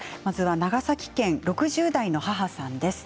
長崎県６０代の方です。